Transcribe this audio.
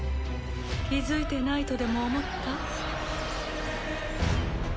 気付いてないとでも思った？